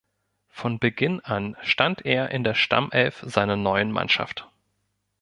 Von Beginn an stand er in der Stammelf seiner neuen Mannschaft.